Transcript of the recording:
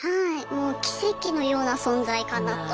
もう奇跡のような存在かなと。